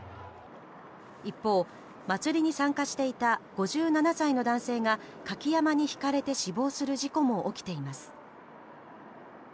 一方、祭りに参加していた５７歳の男性が舁き山笠にひかれて死亡する事故も起きています。